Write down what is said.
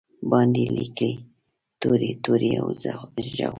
باندې لیکې توري، توري او ږغونه